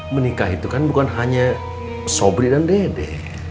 menikah itu kan bukan hanya sobri dan dede